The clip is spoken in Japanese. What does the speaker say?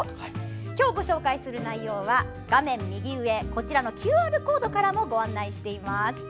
今日ご紹介する内容はこちらのＱＲコードからもご案内しています。